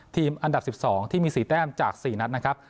อันดับ๑๒ที่มี๔แต้มจาก๔นัดนะครับ